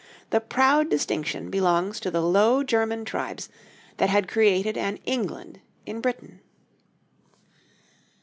The proud distinction belongs to the Low German tribes that had created an England in Britain.